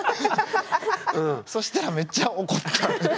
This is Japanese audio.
そしたらめっちゃ怒ったんで。